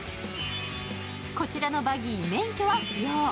こちらのバギー、免許は不要。